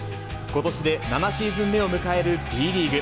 ことしで７シーズン目を迎えるＢリーグ。